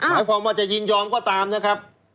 หมายความว่าจะยินยอมก็ตามนะครับ